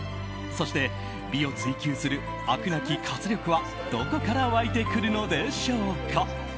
そして、美を追求する飽くなき活力はどこから湧いてくるのでしょうか。